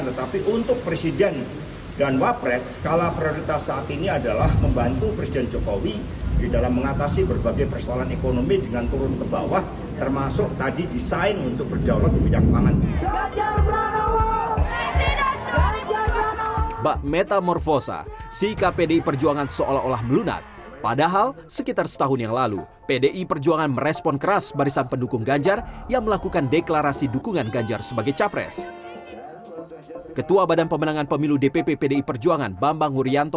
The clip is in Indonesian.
tetapi untuk presiden dan wapres skala prioritas saat ini adalah membantu presiden jokowi di dalam mengatasi berbagai persoalan ekonomi dengan turun ke bawah termasuk tadi desain untuk berdaulat di bidang pangan